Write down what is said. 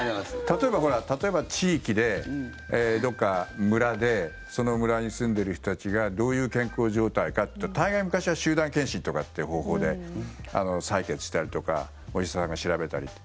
例えば地域で、どっか村でその村に住んでる人たちがどういう健康状態かって大概、昔は集団検診とかっていう方法で採血したりとかお医者さんが調べたりって。